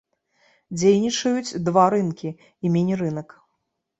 Дзейнічаюць два рынкі і міні-рынак.